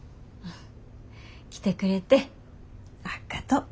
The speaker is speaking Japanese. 来てくれてあっがとう。